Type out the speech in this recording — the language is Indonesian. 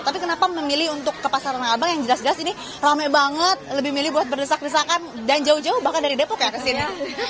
tapi kenapa memilih untuk ke pasar tanah abang yang jelas jelas ini rame banget lebih milih buat berdesak desakan dan jauh jauh bahkan dari depok ya ke sini